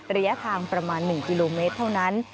ระยะทางประมาณ๑กิโลเมตรเท่านั้น